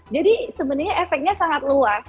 sebenarnya efeknya sangat luas